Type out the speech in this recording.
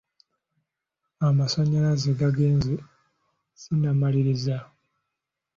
Amasanyalaze gagenze sinnamaliriza.